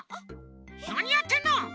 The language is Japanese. なにやってんの！？